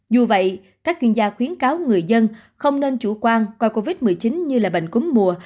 dù vậy các chuyên gia khuyến cáo người dân không nên chủ quan coi covid một mươi chín như là bệnh cúm mùa